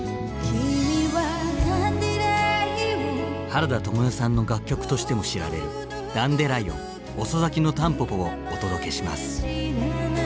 原田知世さんの楽曲としても知られる「ダンデライオン遅咲きのたんぽぽ」をお届けします。